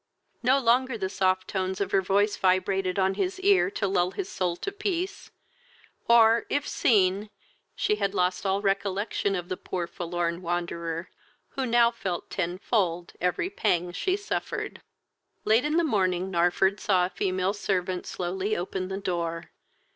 No longer the soft tones of her voice vibrated on his ear to lull his soul to peace, or, if seen, she had lost all recollection of the poor forlorn wanderer, who now felt ten fold every pang she suffered. Late in the morning Narford saw a female servant slowly open the door.